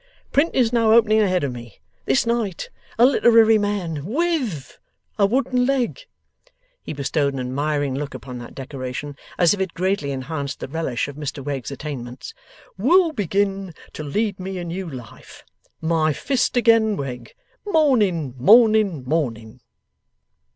Print is now opening ahead of me. This night, a literary man WITH a wooden leg ' he bestowed an admiring look upon that decoration, as if it greatly enhanced the relish of Mr Wegg's attainments 'will begin to lead me a new life! My fist again, Wegg. Morning, morning, morning!